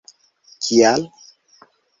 Kial?